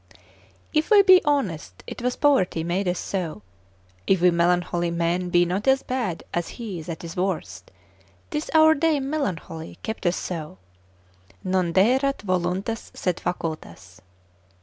If we be honest 'twas poverty made us so: if we melancholy men be not as bad as he that is worst, 'tis our dame melancholy kept us so: Non deerat voluntas sed facultas.